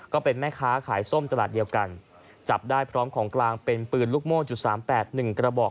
ก็เป็นแม่ค้าขายส้มตลาดเดียวกันจับได้พร้อมของกลางเป็นปืนลูกโม่จุดสามแปดหนึ่งกระบอก